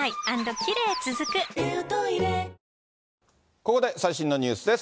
ここで最新のニュースです。